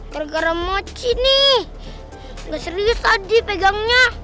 gara gara mochi nih nggak serius tadi pegangnya